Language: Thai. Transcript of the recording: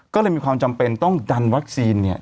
ก็เลยมีความจำเป็นต้องดันวัคซีนเนี่ย